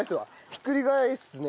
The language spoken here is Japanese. ひっくり返すね。